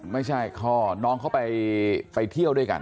ไม่ใช่พ่อน้องเขาไปเที่ยวด้วยกัน